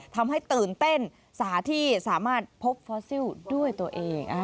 ทำให้ตื่นเต้นสาที่สามารถพบฟอสซิลด้วยตัวเอง